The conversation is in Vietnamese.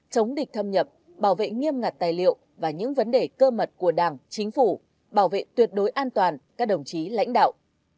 chống địch thâm nhập bảo vệ nghiêm ngặt tài liệu và những vấn đề cơ mật của đảng chính phủ bảo vệ tuyệt đối an toàn các đồng chí lãnh đạo